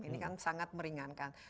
ini kan sangat meringankan